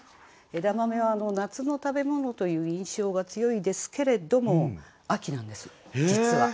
枝豆は夏の食べ物という印象が強いですけれども秋なんです実は。